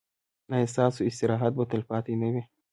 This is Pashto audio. ایا ستاسو استراحت به تلپاتې نه وي؟